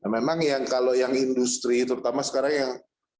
memang yang kalau yang industri terutama sekarang yang